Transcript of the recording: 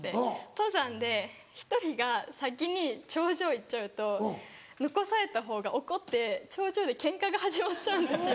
登山で１人が先に頂上行っちゃうと残された方が怒って頂上でケンカが始まっちゃうんですよ。